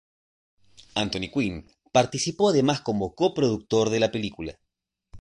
Anthony Quinn participó además como coproductor de la película.